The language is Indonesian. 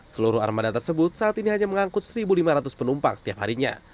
seluruh armada tersebut saat ini hanya mengangkut satu lima ratus penumpang setiap harinya